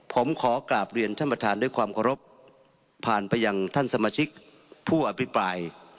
ผมขอกราบเรียนท่านประธานด้วยความเคารพผ่านไปยังท่านสมาชิกผู้อภิปราย